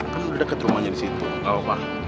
kan udah deket rumahnya disitu nggak apa apa